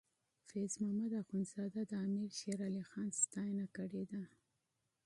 فیض محمد اخونزاده د امیر شیر علی خان ستاینه کړې ده.